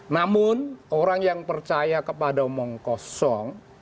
namun orang yang percaya kepada omong kosong